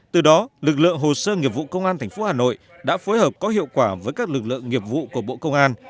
từ đó lực lượng hồ sơ nghiệp vụ công an tp hà nội đã phối hợp có hiệu quả với các lực lượng nghiệp vụ của bộ công an